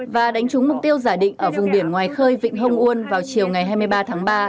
và đánh trúng mục tiêu giả định ở vùng biển ngoài khơi vịnh hồng uôn vào chiều ngày hai mươi ba tháng ba